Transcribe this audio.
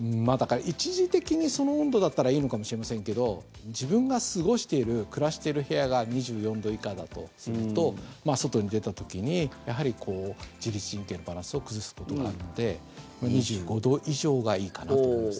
一時的にその温度だったらいいのかもしれませんけど自分が過ごしている暮らしている部屋が２４度以下だとすると外に出た時にやはり、自律神経のバランスを崩すことがあるので２５度以上がいいかなと思います。